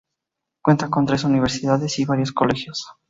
Cuenta con tres universidades y varios colegios.